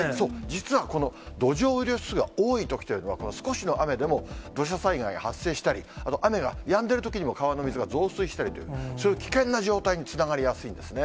実はこの土壌雨量指数が多いときというのは、この少しの雨でも、土砂災害が発生したり、雨がやんでいるときにも川の水が増水したりという、そういう危険な状態につながりやすいんですね。